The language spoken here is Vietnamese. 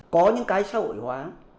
có những cái xã hội hóa